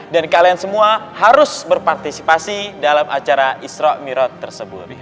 dan kalian semua harus berpartisipasi dalam acara isra' mi'raj tersebut